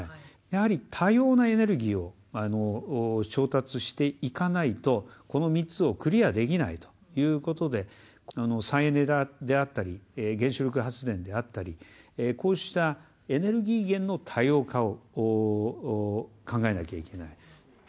やはり多様なエネルギーを調達していかないと、この３つをクリアできないということで、再エネであったり、原子力発電であったり、こうしたエネルギー源の多様化を考えなきゃいけない。